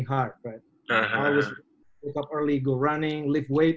saya tidur awal berlari menaikkan berat